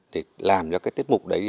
để làm cho cái tiết mục đấy